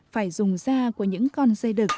phải dùng da của những con dây đực